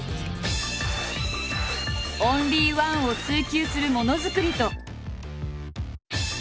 オンリーワンを追求するものづくりと。